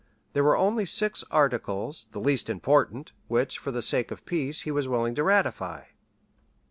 There were only six articles, the least important, which, for the sake of peace, he was willing to ratify.